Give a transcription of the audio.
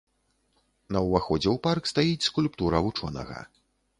На ўваходзе ў парк стаіць скульптура вучонага.